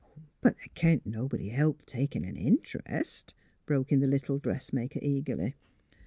'' But the' can't nobody help takin' an int'rest," broke in the little dressmaker, eagerly.